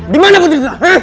di mana putri sinta